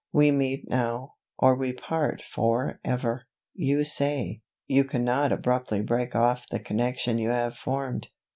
We meet now, or we part for ever. You say, You cannot abruptly break off the connection you have formed.